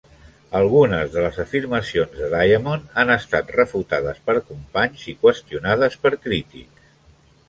Algunes de les afirmacions de Diamond han estat refutades per companys i qüestionades per crítics.